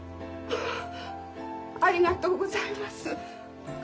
ありがとうございます。